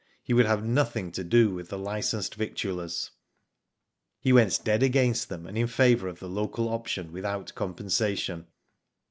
He would have nothing to do with the licensed victuallers. He went dead against them, and in favour of Local Option without compensation.